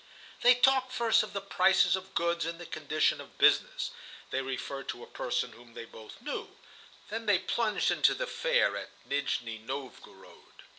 They talked first of the prices of goods and the condition of business; they referred to a person whom they both knew; then they plunged into the fair at Nijni Novgorod.